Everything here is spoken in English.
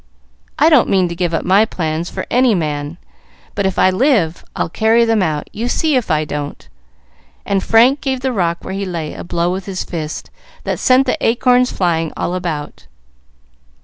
I don't mean to give up my plans for any man; but, if I live, I'll carry them out you see if I don't;" and Frank gave the rock where he lay a blow with his fist, that sent the acorns flying all about.